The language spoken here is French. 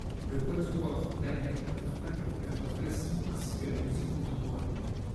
Le Quatuor Danel interprète le répertoire classique ainsi que la musique contemporaine.